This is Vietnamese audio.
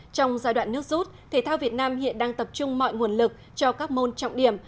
trong giai đoạn nước rút thể thao việt nam hiện đang tập trung mọi nguồn lực cho các môn trọng điểm